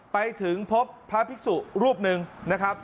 ไปถึงพบพระภิกษุรูปหนึ่งนะครับ